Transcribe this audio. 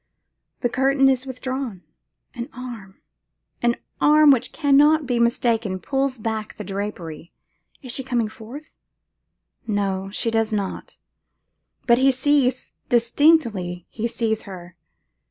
The curtain is withdrawn; an arm, an arm which cannot be mistaken, pulls back the drapery. Is she coming forth? No, she does not; but he sees, distinctly he sees her.